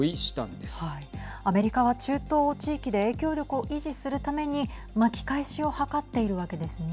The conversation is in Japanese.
アメリカは中東地域で影響力を維持するために巻き返しを図っているわけですね。